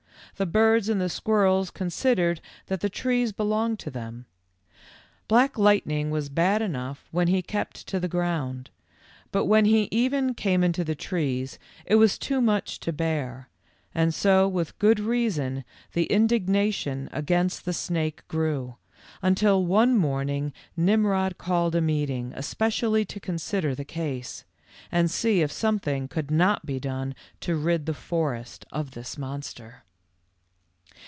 The birds and the squirrels considered that the trees belonged to them. Black Lightning was bad enough when he kept to the ground, but when he even came into the trees it was too much to bear, and so wathgood reason the indignation against the snake grew, until one morning Nimrod called a meeting especially to consider the case, and see if something could not be done to rid the forest of this monster.